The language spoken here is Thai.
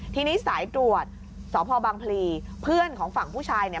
ทีนี้สายตรวจสพบางพลีเพื่อนของฝั่งผู้ชายเนี่ย